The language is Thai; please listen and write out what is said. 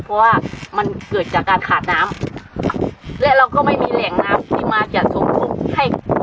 เพราะว่ามันเกิดจากการขาดน้ำและเราก็ไม่มีแหล่งน้ำที่มาจะส่งผลให้